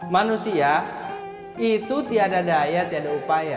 manusia itu tiada daya tiada upaya